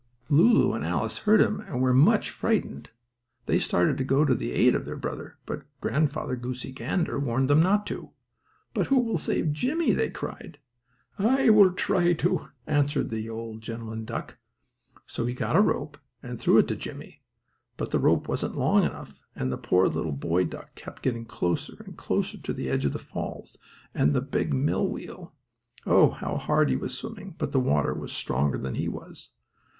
Lulu and Alice heard him, and were much frightened. They started to go to the aid of their brother, but Grandfather Goosey Gander warned them not to. "But who will save Jimmie?" they cried. "I will try to," answered the old gentleman duck. So he got a rope and threw it to Jimmie, but the rope wasn't long enough, and the poor little boy duck kept getting closer and closer to the edge of the falls, and the big millwheel. Oh, how hard he was swimming, but the water was stronger than he was.